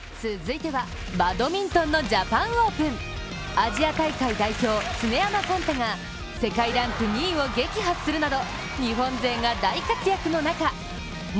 アジア大会代表、常山幹太が世界ランク２位を撃破するなど日本勢が大活躍の中元